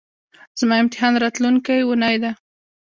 زما امتحان راتلونکۍ اونۍ ده